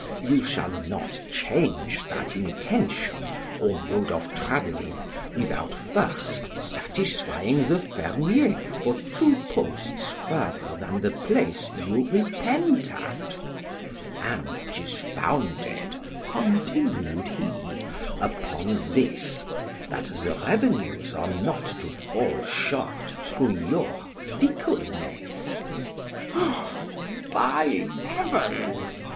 you shall not change that intention or mode of travelling, without first satisfying the fermiers for two posts further than the place you repent at—and 'tis founded, continued he, upon this, that the REVENUES are not to fall short through your fickleness—— ——O by heavens!